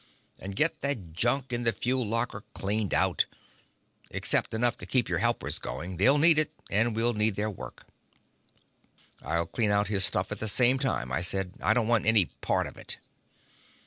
And get that junk in the fuel locker cleaned out except enough to keep your helpers going. They'll need it, and we'll need their work." "I'll clean out his stuff at the same time," I said. "I don't want any part of it."